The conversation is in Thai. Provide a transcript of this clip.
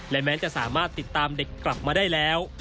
และแม้จะสามารถติดตามเด็กกลับมาได้แล้ว